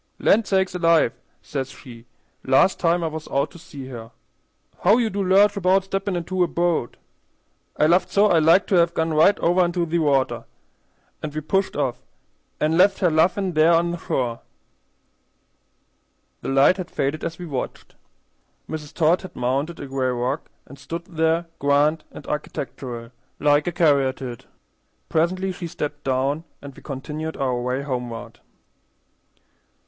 'Land sakes alive!' says she, last time I was out to see her. 'How you do lurch about steppin' into a bo't?' I laughed so I liked to have gone right over into the water; an' we pushed off, an' left her laughin' there on the shore." The light had faded as we watched. Mrs. Todd had mounted a gray rock, and stood there grand and architectural, like a caryatide. Presently she stepped down, and we continued our way homeward.